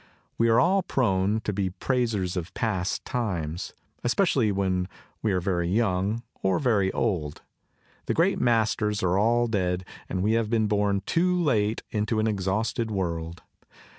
We are all prone to be praisers of passed times, es pecially when we are very young or very old. The great masters are all dead and we have been born too late into an exhausted world.